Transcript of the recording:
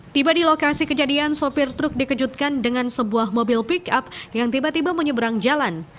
tiba di lokasi kejadian sopir truk dikejutkan dengan sebuah mobil pick up yang tiba tiba menyeberang jalan